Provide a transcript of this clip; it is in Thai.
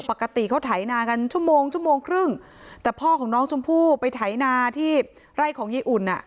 ปกติเขาไถนากันชั่วโมงชั่วโมงครึ่งแต่พ่อของน้องชมพู่ไปไถนาที่ไร่ของยายอุ่นอ่ะ